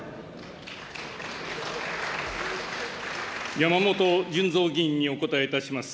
山本順三議員にお答えいたします。